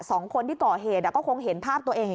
สองคนที่ก่อเหตุก็คงเห็นภาพตัวเอง